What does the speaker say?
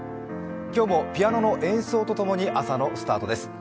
今日もピアノの演奏とともに、朝のスタートです。